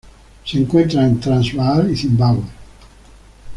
Se encuentra en Transvaal y Zimbabue